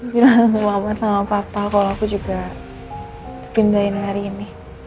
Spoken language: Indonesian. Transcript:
bilang sama mama sama papa kalau aku juga dipindahin hari ini